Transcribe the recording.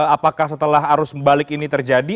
apakah setelah arus balik ini terjadi